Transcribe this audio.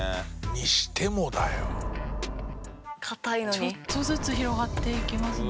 ちょっとずつ広がっていきますね。